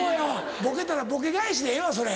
ボケたらボケ返しでええわそれ。